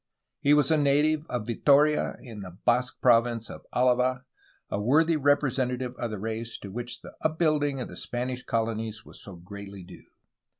He was a native of Vitoria in the Basque province of Alava, a worthy representative of the race to which the upbuilding of the Spanish colonies was so greatly due.